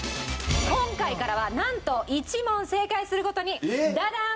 今回からはなんと１問正解するごとにダダン！